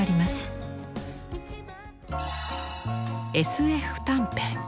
「ＳＦ短編」。